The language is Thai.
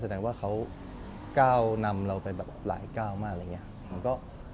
แสดงว่าเขาก้าวนำเราไปหลายก้าวมาก